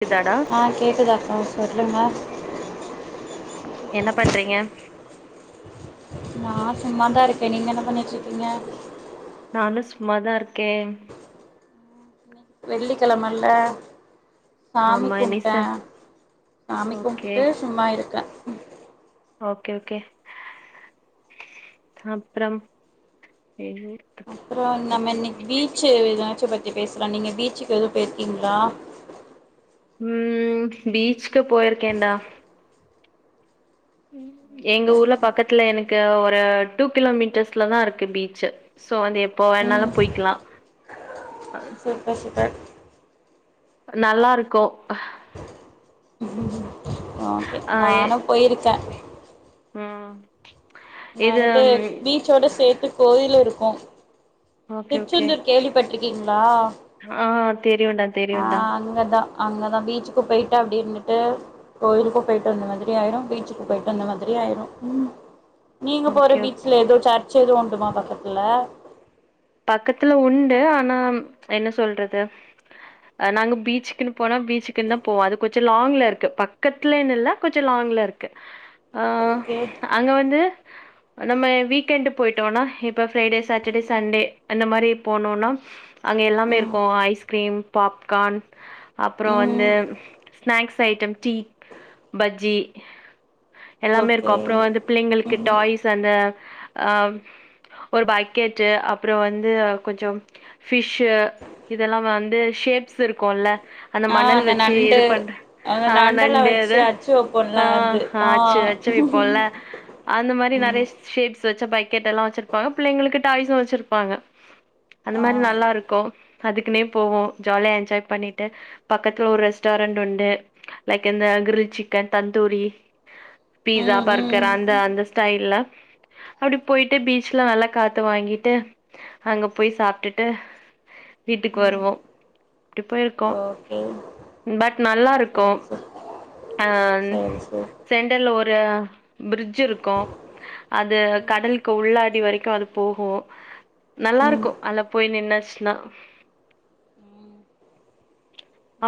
க்குதாடா ஆ கேக்குதாக்கா சொல்லுங்க என்ன பண்றீங்க நா சும்மா தா இருக்கே நீங்க என்ன பண்ணிட்ரிக்கீங்க நானு சும்மாதா இருக்கே வெள்ளிக்கெழமல்ல சாமி ஆமா இனிச கும்ட்டேன் சாமி ஓகே கும்ட்டுட்டு சும்மா இருக்கே உம் ஓகே ஓகே அப்றம் அப்றம் நம்ம இன்னைக்கி பீச்சு விளாட் பீச்ச பத்தி பேசலாம் நீங்க பீச்சுக்கு எதுவும் போயிருக்கீங்களா உம் பீச்சக்கு போயிருக்கேண்டா எங்க ஊர்ல பக்கத்துல எனக்கு ஒரு டூ கிலோமீட்டர்ஸ்லதா இருக்கு பீச்சு சோ அது எப்போ ம் வேணாலும் போயக்லா சூப்பர் சூப்பர் நல்லா இருக்கு ஓகே ஆ எ நானு போயிருக்கே [unintelligible] நா இது வந்துட்டு பீச்சோட சேத்து கோயிலு இருக் கோ திருச்செந்தூர் கேள்விப்பட்டிருக் இங்ளா ஆட் தெரியுண்டா தெரியுண்டா அங்கதா அங்கதா பீச்சுக்கு போயிட்டு அப்டி இருந்துட்டு கோயிலுக்கும் போயிட்டு வந்த மாதிரி ஆயிரு பீச்சுக்கு போயிட்டு வந்த மாதிரி ஆயிரு ம் நீங்க போற ஓகே ஓகே பீச்ல ஏதோ ஃசாட் செய்து கொண்டுமா பக்கத்துல பக்கத்துல உண்டு, ஆனா என்ன சொல்றது அ நாங்க பீச்சுக்குன்னு போனா பீச்சுக்குன்னுதா போவோ, அது கொச்சோ லாங்ல இருக்கு பக்கத்துலேன்னு இல்ல கொச்சோ லாங்ல இருக்கு. அ ஓகே அங்க வந்து நம்ம வீக்கெண்டு் போயிட்டோனா, இப்போ ஃபிரைடே, ஃசாட்டர்டே ஃசண்டே அந்த மாரி போனோன்னா அங்க எல்லாமே ம் இருக்கு ஐஸ்கிரீம் பாப்ஃகான் அப்பறோ ம் வந்து ஸ்நாக்ஸ் ப்ஸ் ஐட்டம் டீ, பஜ்ஜி எல்லாமே இருக்கொ, ஓகே அப்பறோ வந்து பிள்ளைங்ளுக்கு ம் டாய்ஸ் அந்த அ ஒரு ஃபக்கேட்டு அப் அப்றோ வந்து கொஞ்சம் ஃபிஷ்ஷு இதெல்லா வந்து ஷேப்ஸ் இருக்குல்ல அந்த ஆ மணல் வச்சு இது நண்டு பண் அந்த ஆ நண்டெல்லா நண்டு வச்சு இது அச்சு வைப்போம்ல ஆ அது ஆ அச்சு அச்சு வப்போ ல அந்த மாரி ம் நெறைய ஷேப்ஸ் அச்சு வச்ச பக்கெட்டல்லா வச்சிருப்பாங்க பிள்ளைங்களுக்கு டாய்ஸு வச்சிருப் ப்பாங்க அந்த ஆ மாரி நல்லாருக்கூ அதுக்குனே போவோ ஜாலியா என்ஜாய் பண்ணிட்டு பக்கத்துல ஒரு ரெஸ்டாரண்ட் உண்டு லைக் இந்த க்ரில் சிக்கன் தந்தூரி பீசா, ம் ம் பர்கர் அந்த அந்த ஸ்டைல்ல அப்டி போய்ட்டு பீச்ல நல்லா காத்து வாங்கிட்டு அங்க போய் சாப்டுட்டு வீட்டுக்கு ம் வருவோ அப்டி போயிருக்கோ ஓகே பட் நல்லாருக்கூம் சரி சரி ஆன் சரி சரி சென்டர்ல ஒர் ல ப்ரிட்ஜ் இருக்கூ அது ம் கடலுக்கு உள்ளடி வரைக்கூ அது போகூ ம் நல்லாருக்கூ அத்ல போய் நின்னு சினா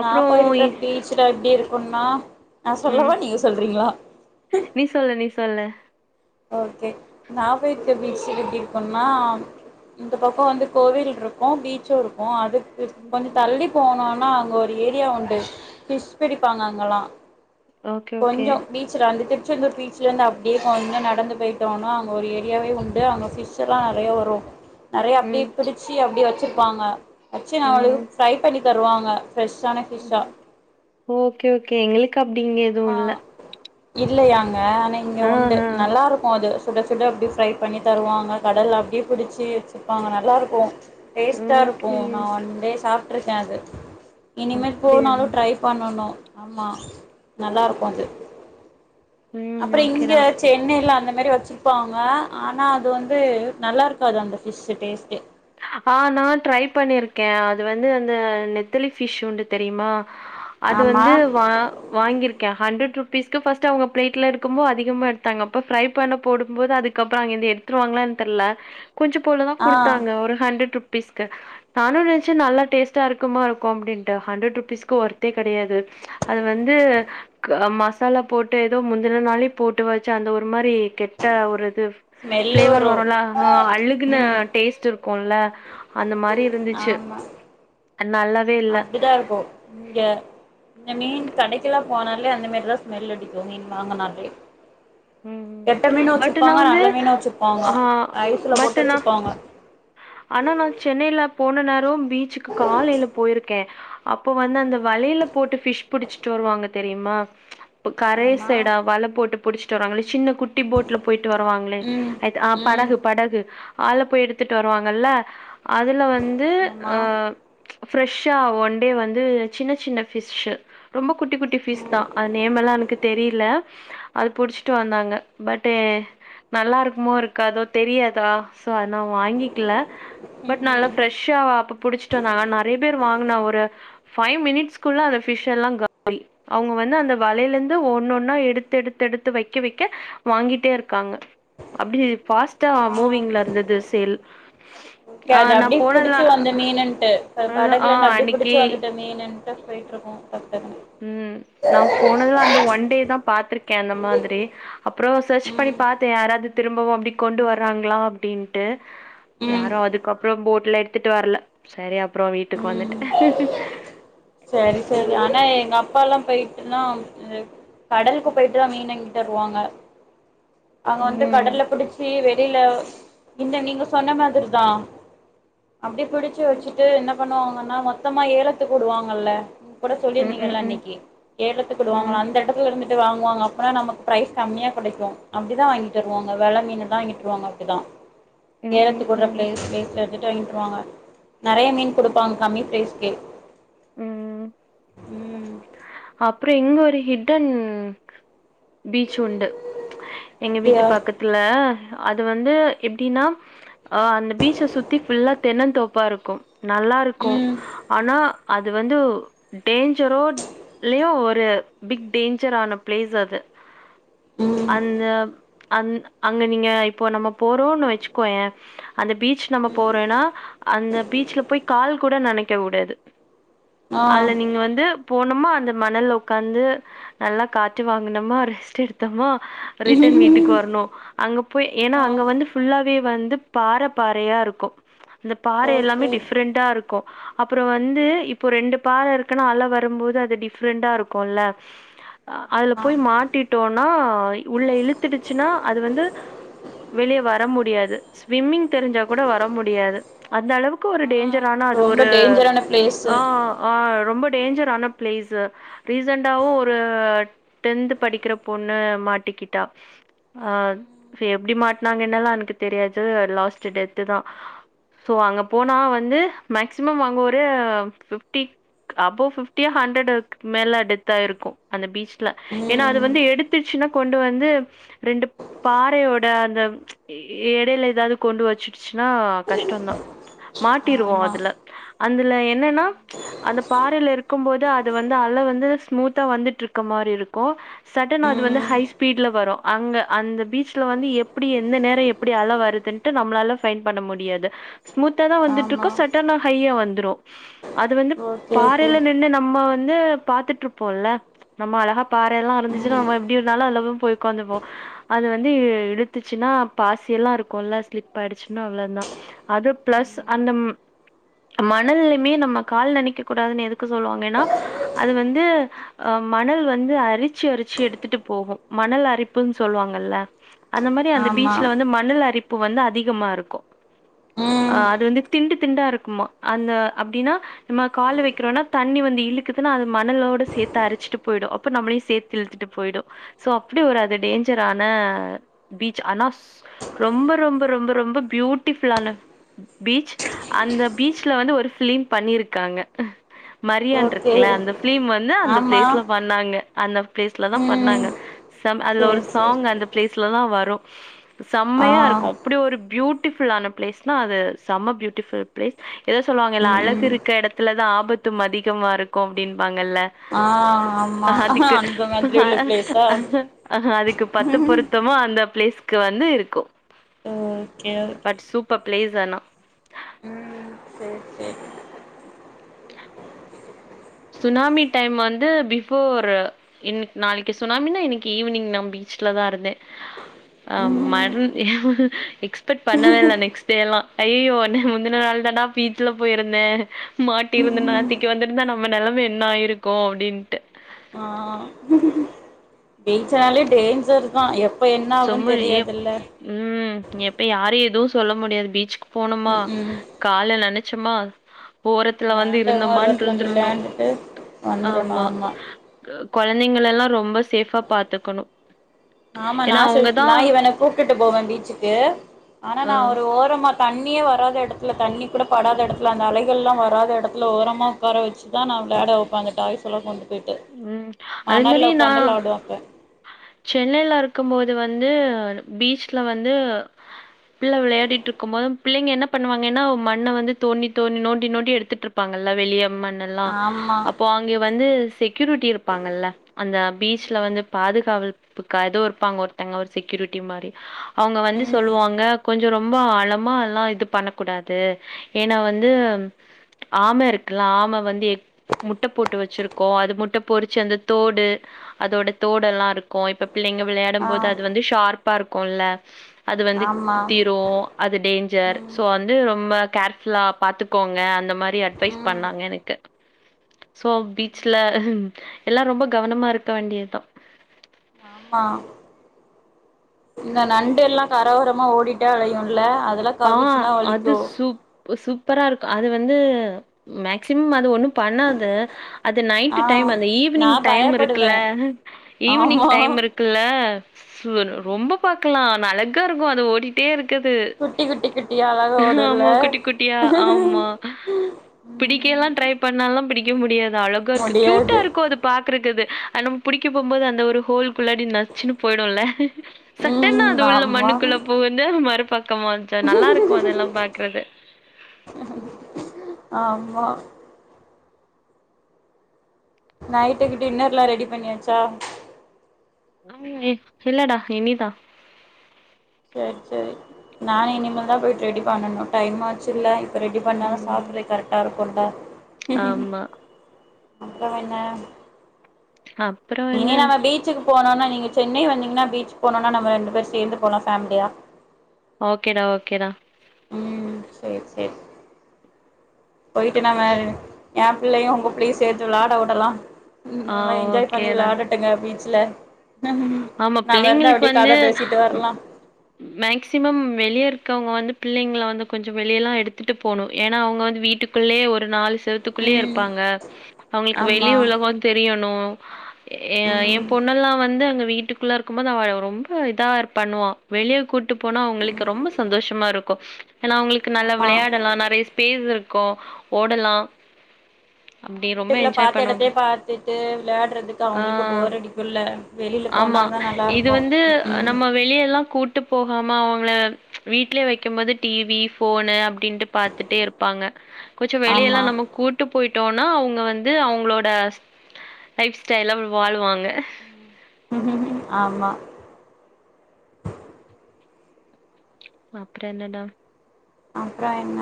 நா போயிருக்குற பீச்ல எப்டி இருக்கூன்னா நா ம் சொல்லவா நீங்க சொல்றீங்ளா நீ சொல்லு நீ சொல்லு ஓகே நா போயிருக்குற பீச்சு எப்டி இருக்கூன்னா இந்த பக்கோ வந்து கோவில்ருக்கூ பீச்சூ இருக்கூ அதுக் குத் கொஞ்சோ தள்ளி போனோ னா அங்க ஒரு ஏரியா உண்டு ஃபிஷ் பிடிப்பாங்க அங்கலா ஓகே ஓகே கொஞ்சோ பீச்ல வந்துட்டு டு இந்த பீச்லேந்து அப்டியே வாங் நடந்து போயிட்டோனா அங் ஒரு ஏரியாவே உண்டு அவங்க ஃபிஷ்ஷல்லா நறைய வரூ நிறைய ம் அப்டியே புடிச்சு அப்டியே வச்சு பாங்க அச்சு நா ம் அவளுக் ஃப்ரை பண்ணி தருவாங்க ஃப்ரெஷ்ஷான ஃபிஷ்ஷா ஓகே ஓகே எங்ளுக்கு அப்படிங்க தூ இல்ல இல்லையாங் ஆனா இங்க உண்டு ஆஹா, நல்லா இருக்கூ அது சுடச் சுட அப்டி ஃப்ரை பண்ணி தருவாங்க கடல்ல அப்டியே பிடிச்சி வச்சிப்பாங்க நல்லாருக்கூ டேஸ்ட்டாருக்கூ ஓகே நா ஒன்டே சாப் ட்ருக்கே அது இனிமேல் அப்படியா? போனாலூ ட்ரை பண்ணணூ ஆமா நல்லா இருக்கும் அது ம் அப்பற இங்க ஓகேடா. சென்னைல அந்த மாரி வச்சிருப்பாங்க ஆனா அது வந்து நல்லா இருக்காது அந்த ஃபிஷு டேஸ்ட்டே ஆ நா ட்ரை பண்ணிருக்கே அது வந்து அந்த நெத்தலி ஃபிஷ் உண்டு தெரியுமா அது ஆமா வந்து வா வாங்கிருக் ஹண்ட்ரட் ருபீஸ்க்கு ஃபஸ்ட் அவங்க பிளேட்ல எடுக்கும்போ அதிகமா எடுத்தாங்க அப்ப ஃப்ரை பண்ண போடும் போது அதுக்கப்பறோ அங்கேருந்து எடுத்துருவாங்களானு தெர்ல கொஞ்சோ போல தா ஆ குடுத்தாங்க ஒரு ஹண்ட்ரட் ருபீஸ்க்கு நானு நெனச்ச நல்லா இருக்கும் போல இருக்கும் அப்டின்ட்டு ஹண்ட்ரட் ருபீஸ்க்கு ஒர்த்தே கெடையாது அது வந்து க மசாலா போட்டு எதோ முந்தன நாளே போட்டு வச்சா அந்த ஒரு மாதிரி கெட்ட ஒரு [unintelligible] ஸ்மெல்லு ஃப்ளேவர் வரு வருல ஆ அழுகுன ம் டேஸ்ட் இருக் கொள்ள அந்த மாதிரி இருந்துச்சு ஆமா ஆ நல்லா அப்டிதா இருக்கு இங்க இங் மீன் கடைக்கெல்லா போனாலே அந்த மாரிதா ஸ்மெல் அடிக்கு மீன் வாங்கனாலே ம் ம் கெட்ட மீனு பட் நா வச்சிருப்பாங்க வந்து நல்ல மீனு வச்சிருப்பாங்க ஆஹ ஐஸ்ல பட் போட்டு நா வச்சிருப்பாங்க ஆனா நா சென்னையில போன நேரம் பீச்சுக்கு காலைல போயிருக்கே அப்போ வந்து அந்த ம் வலையில போட்டு ஃபிஷ் புடிச்சிட்டு வருவாங்க தெரியுமா கரைய ஆமா சைடா வல போட்டு புடிச் ட்டு வருவாங்கல சின்ன குட்டி போட்ல போயிட்டு வருவாங்களே ம் ஐட் ஆ ம் படகு படகு ஆள போய் எடுத்துட்டு வருவாங்கல்ல அதுல வந்து ஆமா ஆ ஃப்ரெஷ்ஷா ஒன்டே வந்து சின்ன சின்ன ஃபிஷ்ஷு ரொம்போ குட்டி குட்டி ஃபிஷ் தா அது நேம்மெல்லா எனக்கு தெரியல அது புடிச்சி ட்டு வந்தாங்க பட்டே நல்லாருக்குமோ இருக்காதோ தெரியாதா ஸோ அது நா வாங்கிக்கல ம் பட் நல்லா ம் ஃப்ரெஷ்ஷா அப்ப புடிச்சுட்டு வந்தாங்க நறைய பேரு வாங்குன ஒரு ஃபைவ் மினிட்ஸ்க்குள்ள அந்த ஃபிஷ்ஷெல்லா காலி அவங்க வந்து வலைலந்து ஒன்னொன்னா எடுத்தெடுத்தெடுத் து வைக்க வைக்க வாங்கிட்டே இருக்காங்க அப்டி ஃபாஸ்ட்டா ஆ மூவிங்ல இருந்துது தெல் ஓகே அத அப்டியே புடிச்சு வந்து மீனுன்ட்டு ஒரு ப ஆ படகுலருந்து அப்டியே புடிச்சு அன்னைக்கி வந்துட்ட மீனுன் ட்டு போயிட்டு இருக்கோ பட்டன் ம் நா போனதுல அந்த ஒன் டே தான் பா்த்ருக்கேன் அந்த மாதிரி அப்புறோ சர்ச் பண்ணி ம் பாத்தேன் யாராவது திரும்பவும் அப்டி கொண்டு வர்றாங்களா அப்டின்ட்டு ம் யாரும் அதுக்கப்புறோ போட்ல எடுத்துட்டு வரல சரி அப்றோ வீட்டுக்கு வந்துட்டே ம் சரி சரி ஆனா எங்க அப்பா எல்லாம் பேயிட்டுனா கடலுக்கு போயிட்டுதா மீனு வாங்கிட்டு வருவாங்க அவங்க வந்து ம் கடல்ல புடிச்சி வெ ளில இந்த நீங்க சொன்ன மாதிரி தா அப்டி பிடிச்சு வச்சுட்டு என்ன பண்ணுவாங்கன்னா மொத்தமா ஏலத்துக்குடுவாங் கல்ல கூட ம் ம் சொல்லியிருந்தீங்கல ம் இன்னைக்கு ஏலத்து வுடுவாங்கள ம் அந்த எடத்துல இருந்து ந்து வாங்குவாங்க அப்றோ நமக்கு பிரரைஸ் கம்மியா கிடைக்கும் அப்டிதா வாங்கிட்டு வருவாங்க வெல மீன் தா வாங்கிட்ருவாங்க அப்டிதா ம் ம் ஏலத்துக்குடுற ம் பிளே பிளேஸ்ல இருந்து வாங்கிட்டுருவாங்க நறைய மீன் கொடுப்பாங்க கம்மி பிரைஸ்கே ம் அப்புறோ இங்க ஒரு ஹிட்டன் பீச் உண்டு எங்க வீட்டு அப்டியா பக்கத்துல அது வந்து எப்டின்னா அ அந்த பீச்ச சுத்தி ஃபுல்லா தென்னந்தோப்பா இருக்கும் நல்லா இருக்கு ம் ஆனா அது வந்து டேஞ்சரோ இல்லையோ ஒரு பிக் டேஞ்சர் ஆன பிளேஸ் அது ம் அந்த அந் அங்க நீங்க இப்போ நம்ம போறோனு வச்சுக்கோயே அந்த பீச் நம்ம ம் போறோனா அந்த பீச்ல போய் கால் கூட நனைக்க வுடாது ஆ அதுல நீங்க வந்து போனுமா அந்த மணல்ல ஒக்காந்து நல்லா காற்று வாங்னமா ரெஸ்ட் எடுத்தமா ரிட்டன் வீட்டுக்கு வரணு அங்க போய் ஏன்னா ஆ அங்க வந்து ஃபுல்லாவே வந்து பாற பாறயா இருக்கு அந்த பாற எல்லாமே ஓகே டிஃப்ரெண்ட்டா இருக்கு அப்றோ வந்து ம் இப்போ ரெண்டு பாற இருக்குன்னா அல வரும்போது அது டிஃப் டிஃபரெண்டா இருக்குல்ல அதுல ஆமா போய் மாட்டிட்டோனா உள்ள இழுத்துடுச்சின்னா அது வந்து வெளிய வர முடியாது ஸ்விம்மிங் தெரிஞ்சா கூட வர முடியாது அந்த அளவுக்கு ஒரு ஆ டேஞ் டேஞ்சர் ஆனா அது ரொம்ப ஒரு டேஞ்சரான பிளேஸு ஆ ஆ ரொம்ப டேஞ்சர் ஆன பிளேஸ் இது ரீசண்டாவு ஒரு டென்த் படிக்கிற பொண்ணு மாட்டிக்கிட்டா ஆ எப்டி மாட்னாங்க என்ன எல்லா எனக்கு தெரியாது லாஸ்ட் டெத் தா சோ அங்க போனா வந்து மேக்ஸிமம் அங்க ஒரு பிப்டிக் அபவ் பிப்டி ஹண்ட்ரெட் மேல டெத்தாயிருக்கு அந்த பீச்ல ஏன்னா அது ம் வந்து எடுத்துச்சின்னா கொண்டு வந்து ரெண்டு பாறையோட அந்த இடேல ஏதாது கொண்டு வச்சிடுச்சின்னா கஷ்டோந்தா மாட்டிருவோ ஆமா அதுல அந்துல என்னன்னா அந்த பாறைல இருக்கும் போது அது அது வந்து அல வந்து ஸ்மூத்தா வந்துட்டு இருக்க மாரி இருக்கு சடெனா அது வந்து ம் ஹை ஸ்பீட்ல வரு அங்க அந்த பீச்ல வந்து எப்டி எந்த நேரோ எப்டி அல வருதுன்ட்டு நம்மளால பைண்ட் பண்ண முடியாது ஸ்மூத்தா தா வந்துட்டு ஆமா இருக்கு சடென்னா ஹையா வந்து வந்துரு அது வந்து ஓகே ஓகே பாறைல நின்னு நம்ம ந்து பாத்துட்ருப்போல்ல நம்ம அழகா பாறை எல்லா இருந்துச்சின்னா ம் நம்ம எப்டின்லாலு அதுலதா போய் ஒக்காந்துப்போ அது வந்து இழு இழுத்துச்சின்னா பாசி எல்லா இருக்குல்ல ஸ்லிப் ஆயிடுச்சின்னா அவ்ளோந்தா அது பிளஸ் அந்த மணல்லுமே நம்ம கால் நனைக்க கூடாதுன்னு எதுக்கு சொல்வாங்கேன்னா அது வந்து ஆ மணல் வந்து அரிச்சி அரிச்சி எடுத்துட்டு போகு மணல் அரிப்புன்னு சொல்வாங்கல்ல அந்த மாரி அந்த ஆமா பீச்ல வந்து மண்ணல் அரிப் ப்பு வந்து அதிகமா இருக்கூ ஆ ம் அது வந்து திண்டு திண்டா இருக்குமா அந்த அப்டின்னா நம்ம காலு வெக்கிறோனா தண்ணி வந்து இழுக் த்துசின்னா அது மணலோட சேத்து அரிச்சிட்டு போயிடு அப்ப நம்மளையு சேத்து இழுத்துட்டு போயிடு சோ அப்புடி ஒரு அது டேஞ்சரான பீச் ஆனா சூ ரொம்ப ரொம்ப ரொம்ப ரொம்ப பியூட்டிஃபுல்லான பீச் அந்த பீச்ல வந்து ஒரு ஃபிலிம் பண்ணிருக்காங்க மரியான்று ஓகே க்ல அந்த ஃபிலிம் வந்து அந்த ஆமா பிளேஸ்ல பண்ணாங்க அந்தப் பிளேஸ்ல தா ம் பண்ணாங்க செம் அதுல சேரி ஒரு சேரி சாங் அந்த பிளேஸ்ல தா வரூ ப்ப ஆ செம்மையா இருக்கூ அப்புடி ஒரு பியூட் ட்டிஃபுல்லான பிளேஸ்னா அது செம பியூட்டிஃபுல் பிளேஸ் எதோ சொல்லுவாங்கல்ல ம் அழகு ம் இருக்க எடத் த்துலதா ஆபத்தும் அதிகமா இருக் கோ அப்டின்பாங் நல்லே ஆ ஆமா அதுக்கு அந்த மாதிரி உள்ள பிளேஸா அதுக்கு பத்து பொருத்தமோ அந்த பிளேஸ் க்கு வந்து இருக்கோ ஓகே ஓகே பிளேஸானா ம் சேரி சேரி சுனாமி டைம் வந்து பிஃபோரு இன்னிக் நாளக்கி சுனாமினா இன்னிக்கி ஈவினீங் நா பீச்லதா இருந்தே ஆம் ம் மர்ன் எக்ஸ்பெக்ட் பண்ணவேலே நெக்ஸ்ட் டேலா ஐயோ நா முந்தன நாள் தாண்டா பீச்ல போயிருந்தே மாட்டிருந்தனா நேத்திக்கு வந்திந்தா நா நம்ம நெலமே என்னா ஆயிருக்கோ அப்டின்ட்டு பீச்சனாலே டேஞ்சர்தா எ [unintelligible] ம் எப்பையு யாரையு எதுவு சொல்ல முடியாது பீச்க்கு போணுமா ம் ம் கால நன ச்சமா ஓரத்துல வந்து விளையாண்டவங்க ஒரு இருந்தோமான் வாரத்துல அங்க இருந்துருந்தர்ணோ விளையாண்டுட்டு ஆமா கா கொழந்தைங்களெல்லா ரொம்ப சேஃப்பா பாத்துக்கணோ ஆமா நா சில் நாயிவன கூப்ட்டுட்டு போவே பீச்சுக்கே ஆனா அ நா ஒரு ஓரமா தண்ணீயே வராத எடத்துல தண்ணீ கூட படாத எடத்துல அந்த அலைகள்லா வராத எடத்துல ஓரமா ஒக்கார வெச்சுதா நா விளாட வெப்பே அங்க டாய்ஸ்யெல்லா கொண்டு போய்ட்டு ம் அதே மாரி மணல்ல நா உக்காந்து வெளாடுவா அப்ப சென்னைலே இரு க்கும் போது வந்து பீச்ல வந்து பிள்ள விளையாடிட்ருக்கும் போது பிள்ளைங்க என்ன பண்ணுவாங்கன்னா மண்ண வந்து தோண்டி தோணி நோண்டி நோண்டி எடுத்துட்ருப்பாங்கல்ல வெளிய மண்ணல்லா ஆமா அப்போ அங்கே வந்து க்யூரிட்டி இருப்பாங்கல்ல அந்த பீச்ல ம் வந்து பாதுகாவல்ப்புகாது ஒருப்பாங்க ஒருத்தங்க ஒரு செக்யூரிட்டி மாரி அவுங்க வந்து ம் ம் சொல்லுவாங்க கொஞ் ரொம்ப ஆழமா எல்லா இது பண்ணக்கூடாது ஏனா வந்து ஆம இருக்குல்லா ஆம வந்து எக் முட்ட போட்டு வெச்சிருக் கு அது முட் ட பொறிச்ச அந்த தோடு அதோட தோடெல்லா இருக்கு இப்ப பிள்ளைங்க ஆ விளையாடும் போது அது வந்து ஷார்ப் பா இருக்குல்ல அது வந்து ஆமா குத்திரு அது டேஞ்சர் ம் ஸோ வந்து ரொம்ப கேர்ஃபுல்லா பாத்துக்கோங்க அந்த மாரி அட்வைஸ் ம் பண்ணாங்க எனக்கு ஸோ பீச்ல எல்லா ரொம்ப கவனமா இருக்க வேண்டிய தா ஆமா இந்த நண்டெல்லா கர ஓரமா ஓடிட்டே அலையுல்ல அதெல்லா பா கவிச்சுன்னா அது வலிக்கு சூப் சூப் பரா இருக்கு அது வந்து மேக்சிமம் அது ஒன்னும் பண்ணாது அது ஆ நைட்டு டைம் அந்த நா ஈவினிங் டைம் இருக்குல்ல பயப்படுவே ஈவினிங் ஆமா டைம் இருக்குல்ல [unintelligible] ரொம்ப பாக்கலா அழகா இருக்கு அது ஓடிட்டே இருக்கது குட்டி குட்டி குட்டியா அழகா ஓடுல்ல ஆமா குட்டி குட்டியா ஆமா பிடிக்க எல்லா ம் ட்ரை பண்ணால்லா பிடிக்க முடியா அழகா இருக்கு க்யூட்டா முடியாது இருக்கு அது பாக் ட்ருக்குது அது நம் புடிக்க போம்போது அந்த ஒரு ஹோல்குள்ளாடி நச்சுன்னு போயிடுல்ல சட்டுன்னு அது ம் உள்ள ஆமா மண்ணுக்குள்ள புகுந்து மறு பக்கமா ச்ச நல்லாருக்கு அதெல்லா பாக்கறது ஆமா நைட்டுக்கு டின்னர்ல்லா ரெடி பண்ணியாச்சா? [unintelligible] இல்லடா இனி தா சேரி சேரி நானு இனிமேல் தா போய்ட் ரெடி பண்ணனு டைம் ஆச்சுல்ல இப்ப ரெடி பண்ணாதா ம் சாப்புட்றக்கு கரெக்டா இருக் கொண்டா ஆமா அப்றோ என்ன? அப்புறோ என்ன இனி நம்ம பீச்சுக்கு போனோனா நீங் க சென்னை வந்தீங்கன்னா பீச்சுக் போனோனா நம்ம ரெண்டு பேர் சேந்து போலா ஃபேம்லியா ஓகேடா ஓகேடா ம் சேரி சேரி போய்ட்டு நம்ம ஏ பிள்ளையு உங்க பிள்ளயு சேத்து விளாட வுடலா ம் ஆ நல்லா என்ஜாய் பண்ணி ஓகேடா விளையாடட்டுங்க பீச் ல ஆமா பிள்ளைங்களுக்கு வந்து பேசிட்டு வரலா மேக்சிமம் வெளியேருக்கவங்க வந்து பிள்ளைங்கள வந்து கொஞ்சோ வெளியல்லா எடுத்துட்டு போணு ஏனா அவங்க வந்து வீட்டுக்குள்ளே ஒரு நாள் செவத்துக்குள்ளேயே ம் இருப்பாங்க அவங்ளுக்கு வெளி ஆமா உலகோ தெரியணூ ஏ ஏ ம் பொண்ணல்லா வந்து அங்க வீட்டுக்குள்ளருக்கும்போது அவ ரொம்ப இதார் பண்ணுவா வெளிய கூட்டு போனா அவங்களுக்கு ம் ரொம்ப சந்தோஷமா இருக்கூ ஏனா அவுங்ளுக்கு நல்லா ஆமா வெளையாடலா நெறைய ஸ்பேஸ் இருக் கோ ஓடலா ஆ அப்டி ரொம்ப வீட்டுக்குள்ள என்ஜாய் பண்ணுவாங்க. பாத்தெடத்தயே பாத்துட்டு வெளையாடுறதுக்கு ஆ அவங்ளுக்கு போர் அடிக்கூல்ல வெளில ஆமா இது வந்து நம்ம வெளியெல்லா கூட்டு போகாம அவுங்கள வீட்லயே வெக்கும்போது டிவி ஃபோனு அப்டின்ட்டு பாத்துட்டேருப்பாங்க கொஞ்சோ வெளிய எல்லா ஆமா நம்ம கூட்டு போய்ட் டோனா அவுங்க வந்து அவுங்ளோட லைஃப் ஸ்டைல்ல வாழுவாங்க ஆமா அப்றோ என்னடா ஆ றோ என்ன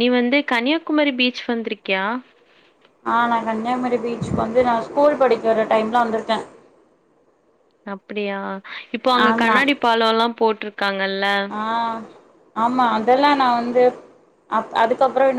நீ வந்து கன்னியாகுமரி பீச் வந்திருக்கியா ஆ நா கன்னியாகுமரி பீச்சுக் வந்து நா ஸ்கூல் படிக்கிற டைம்ல வந்திருக்கே அப்டியா இப்போ அங்க ஆமா கண்ணாடி பாலோலா போட்ருக் ஆ ஆமா அதெல்லா நா வந்து அப் அதுக்கப்றோ என்ன